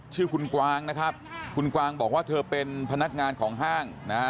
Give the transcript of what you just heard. ชื่อคุณกวางนะครับคุณกวางบอกว่าเธอเป็นพนักงานของห้างนะฮะ